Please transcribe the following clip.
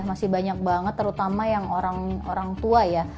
masih banyak banget terutama yang orang tua ya